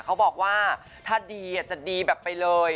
เขาบอกว่าถ้าดีจะดีแบบไปเลย